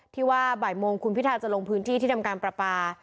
ที่ว่าบ่ายโมงคุณพิทาจะลงพื้นที่ที่ทำการประปา